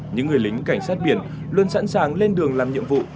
những người lính cảnh sát biển luôn sẵn sàng lên đường làm nhiệm vụ